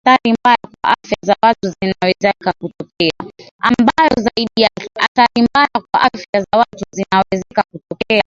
ambayo zaidi yake athari mbaya kwa afya za watu zinawezeka kutokea